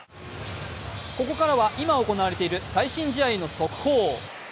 ここからは今行われている最新試合の速報。